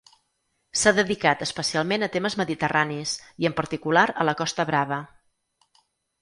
S'ha dedicat especialment a temes mediterranis i en particular a la Costa Brava.